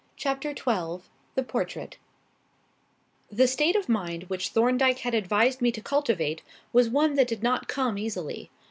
Chapter XII The Portrait The state of mind which Thorndyke had advised me to cultivate was one that did not come easily.